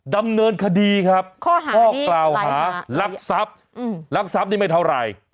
ดำเนินคดีครับข้อกล่าวหาลักศัพท์ลักศัพท์นี่ไม่เท่าไหร่